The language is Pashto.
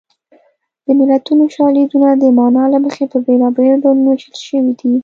د متلونو شالیدونه د مانا له مخې په بېلابېلو ډولونو ویشل شوي دي